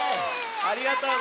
ありがとう！